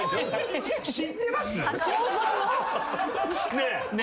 ねえ。